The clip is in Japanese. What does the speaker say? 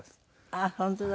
ああ本当だ。